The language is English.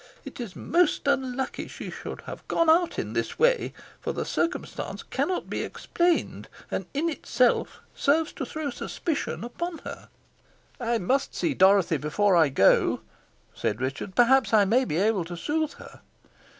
It is most unlucky she should have gone out in this way, for the circumstance cannot be explained, and in itself serves to throw suspicion upon her." "I must see Dorothy before I go," said Richard; "perhaps I may be able to soothe her."